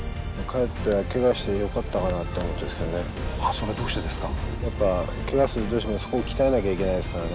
それは、どうしてですか？